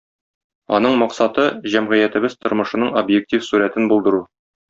Аның максаты - җәмгыятебез тормышының объектив сурәтен булдыру.